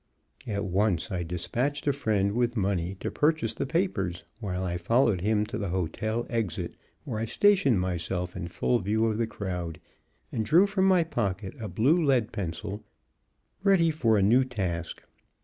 At once I dispatched a friend with money to purchase the papers, while I followed him to the hotel exit, where I stationed myself in full view of the crowd and drew from my pocket a blue lead pencil, ready for a new task.